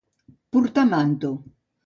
Portar manto.